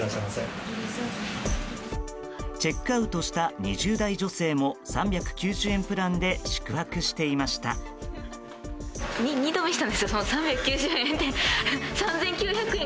チェックアウトした２０代女性も３９０円プランで宿泊していました。